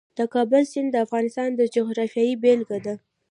د کابل سیند د افغانستان د جغرافیې بېلګه ده.